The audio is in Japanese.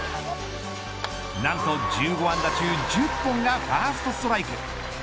なんと、１５安打中１０本がファーストストライク。